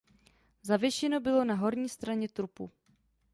Zavěšeno bylo na horní straně trupu.